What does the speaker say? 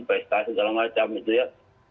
kasih segala macam itu ya